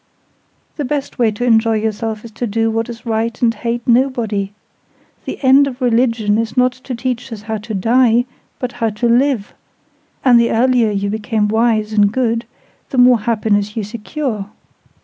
"The best way to enjoy yourself is to do what is right and hate nobody. The end of Religion is not to teach us how to die, but how to live; and the earlier you become wise and good, the more of happiness you secure.